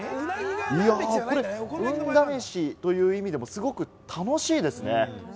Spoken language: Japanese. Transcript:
これ、運試しという意味でも、すごく楽しいですね。